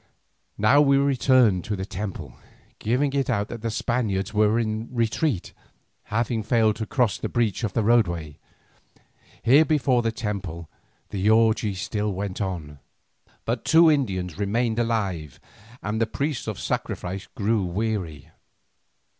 Now we returned to the temple, giving it out that the Spaniards were in retreat, having failed to cross the breach in the roadway. Here before the temple the orgie still went on. But two Indians remained alive; and the priests of sacrifice grew weary.